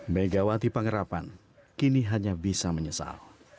megawati pangerapan kini hanya bisa menyesal